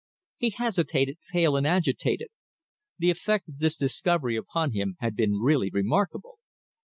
He hesitated, pale and agitated. The effect of this discovery upon him had been really remarkable.